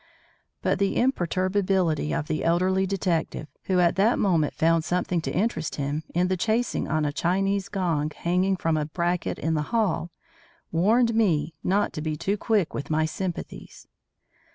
But the imperturbability of the elderly detective, who at that moment found something to interest him in the chasing on a Chinese gong hanging from a bracket in the hall, warned me not to be too quick with my sympathies.